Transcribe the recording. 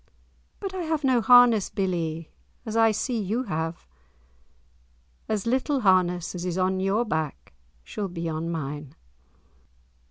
"But I have no harness, billie, as I see you have." "As little harness as is on your back shall be on mine."